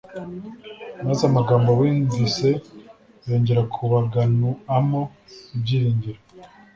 maze amagambo bumvise yongera kubaganu-amo ibyiringiro.